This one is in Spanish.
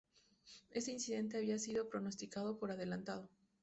Este incidente había sido pronosticado por adelantado.